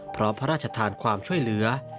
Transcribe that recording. พระราชทานความช่วยเหลือ